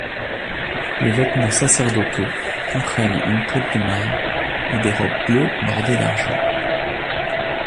Les vêtements sacerdotaux comprennent une cotte de mailles et des robes bleues bordées d'argent.